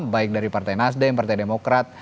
baik dari partai nasdem partai demokrat